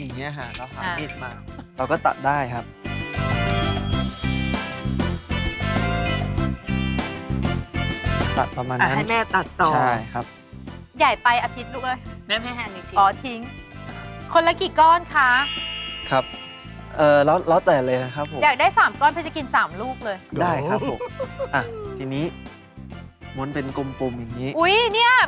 นะถ้าเราจับไว้อย่างงี้แล้วแล้วยังไงต่อทีนี้เราก็สามารถทำเป็นก้อนก้อนได้อ่า